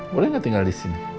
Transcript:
boleh nggak tinggal di sini